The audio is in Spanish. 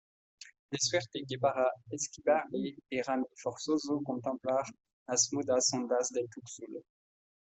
de suerte que para esquivarle érame forzoso contemplar las mudas ondas del Tixul